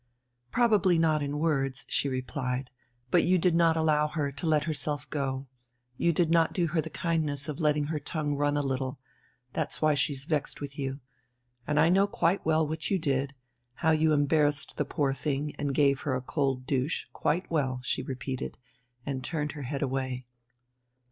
"Probably not in words," she replied, "but you did not allow her to let herself go, you did not do her the kindness of letting her tongue run a little, that's why she's vexed with you and I know quite well what you did, how you embarrassed the poor thing and gave her a cold douche quite well," she repeated, and turned her head away.